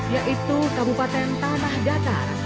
yaitu kabupaten tanah datar